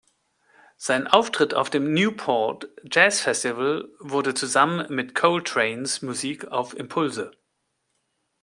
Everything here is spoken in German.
Sein Auftritt auf dem Newport Jazz Festival wurde zusammen mit Coltranes Musik auf Impulse!